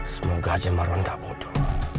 semoga haji marwan gak bodoh